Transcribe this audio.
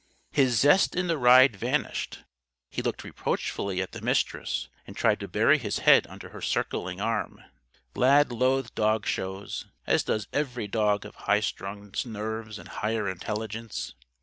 His zest in the ride vanished. He looked reproachfully at the Mistress and tried to bury his head under her circling arm. Lad loathed dog shows; as does every dog of high strung nerves and higher intelligence.